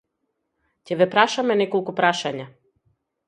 Ќе ве прашаме неколку прашања.